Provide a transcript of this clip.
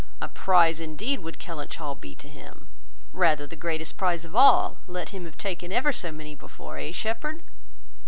A prize indeed would Kellynch Hall be to him; rather the greatest prize of all, let him have taken ever so many before; hey, Shepherd?"